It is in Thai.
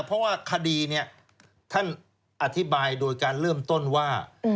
เพราะว่าคดีเนี่ยท่านอธิบายโดยการเริ่มต้นว่า